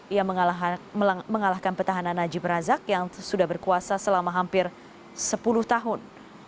ia mengalahkan petahanan najib razak yang sudah berkuasa selama hampir sepuluh tahun